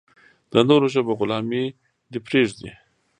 د نورو ژبو غلامي دې پرېږدي.